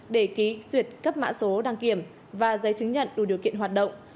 để ký duyệt cấp mã số đăng kiểm và giấy chứng nhận đủ điều kiện hoạt động